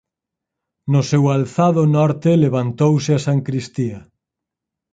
No seu alzado norte levantouse a sancristía.